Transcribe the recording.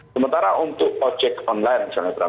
sementara untuk ojek online misalnya bram